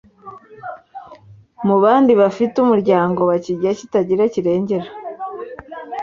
mu bandi bafite umuryango bakirya kitagira kirengera